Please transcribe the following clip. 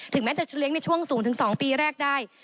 แม้จะเลี้ยงในช่วงสูงถึง๒ปีแรกได้